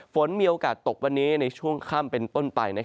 ฝนมีโอกาสตกวันนี้ในช่วงค่ำเป็นต้นไป